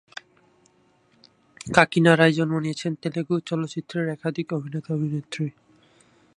কাকিনাড়ায় জন্ম নিয়েছেন তেলুগু চলচ্চিত্রের একাধিক অভিনেতা-অভিনেত্রী।